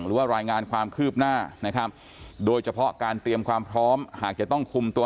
หรือว่ารายงานความคืบหน้านะครับโดยเฉพาะการเตรียมความพร้อมหากจะต้องคุมตัว